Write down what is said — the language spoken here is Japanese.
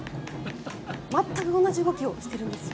全く同じ動きをしているんです。